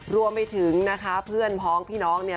รวมไปถึงเพื่อนพ้องพี่น้อง